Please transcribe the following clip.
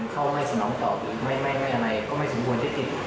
เข้าไม่สนองตอบหรือไม่อะไรก็ไม่สมควรที่ติด